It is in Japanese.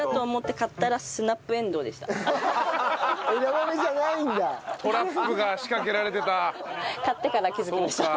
買ってから気づきました。